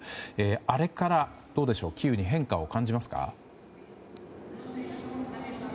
あれからどうでしょうキーウに変化は感じますか？